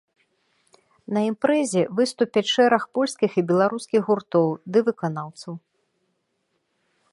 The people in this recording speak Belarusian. На імпрэзе выступяць шэраг польскіх і беларускіх гуртоў ды выканаўцаў.